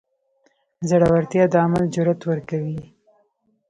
زړورتیا د عمل جرئت ورکوي.